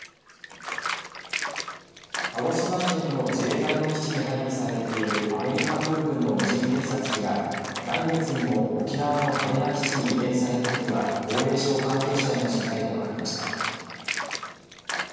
鹿児島県の自衛隊の基地に配備されているアメリカ空軍の無人偵察機が来月にも沖縄の嘉手納基地に移転されることが防衛省関係者への取材で分かりました。